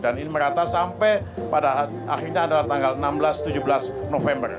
dan ini merata sampai pada akhirnya adalah tanggal enam belas tujuh belas november